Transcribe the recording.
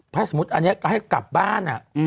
ถ้าสมมุติอันนี้ก็ให้กลับบ้าน